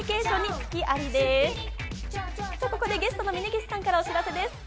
ゲストの峯岸さんからお知らせです。